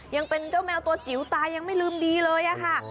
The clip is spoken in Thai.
ยังเป็นเจ้าแมวตัวจิ๋วตายังไม่ลืมดีเลยอะค่ะ